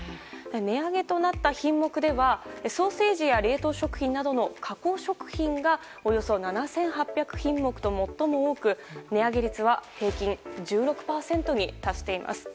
値上げとなった品目ではソーセージや冷凍食品などの加工食品がおよそ７８００品目と最も多く値上げ率は平均１６％に達しています。